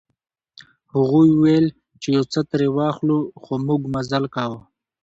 هغوی ویل چې یو څه ترې واخلو خو موږ مزل کاوه.